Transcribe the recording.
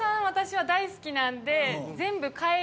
私は大好きなんで。